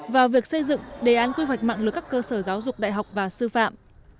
vào việc xây dựng đề án quy hoạch mạng lực các cơ sở giáo dục đại học và sư phạm